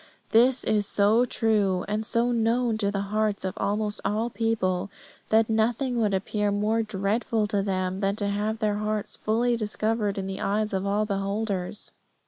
This is so true, and so known to the hearts of almost all people, that nothing would appear more dreadful to them than to have their hearts fully discovered to the eyes of all beholders.